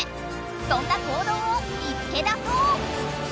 そんな行動を見つけ出そう！